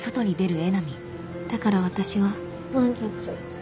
だから私は満月。